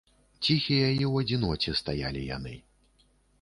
Ціхія і ў адзіноце стаялі яны.